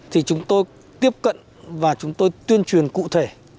thì chúng tôi tiếp cận và chúng tôi tuyên truyền cụ thể